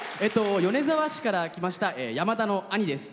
米沢市から来ましたやまだの兄です。